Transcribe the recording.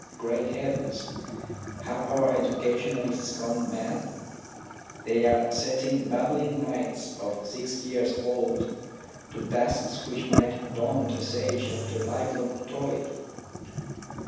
Great heavens ! Have our educa tionists gone mad ? They are setting babbling mites of six years old to tasks which might daunt a sage after lifelong toil.